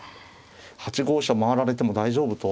８五飛車回られても大丈夫と。